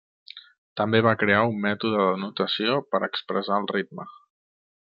També va crear un mètode de notació per expressar el ritme.